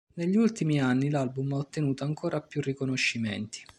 Negli ultimi anni l'album ha ottenuto ancora più riconoscimenti.